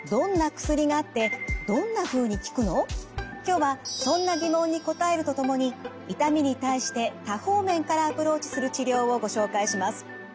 今日はそんな疑問に答えるとともに痛みに対して多方面からアプローチする治療をご紹介します。